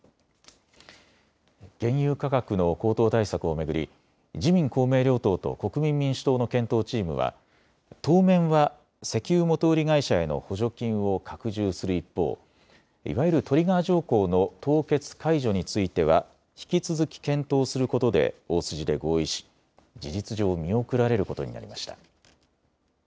原油価格の高騰対策を巡り自民公明両党と国民民主党の検討チームは当面は石油元売り会社への補助金を拡充する一方、いわゆるトリガー条項の凍結解除については引き続き検討することで大筋で合意し、事実上、見送られることになりました。